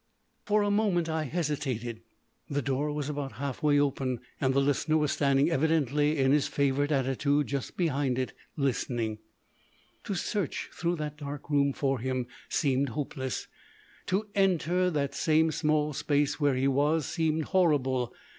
For a moment I hesitated. The door was about half way open, and the Listener was standing evidently in his favourite attitude just behind it listening. To search through that dark room for him seemed hopeless; to enter the same small space where he was seemed horrible.